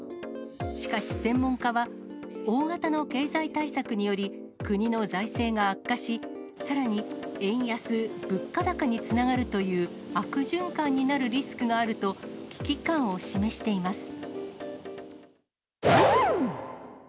しかし、専門家は、大型の経済対策により、国の財政が悪化し、さらに円安・物価高につながるという悪循環になるリスクがあると、危機感を示しています。